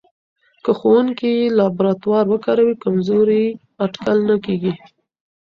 که ښوونکی لابراتوار وکاروي، کمزوری اټکل نه کېږي.